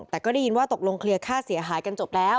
แต่ก็ได้ยินว่าตกลงเคลียร์ค่าเสียหายกันจบแล้ว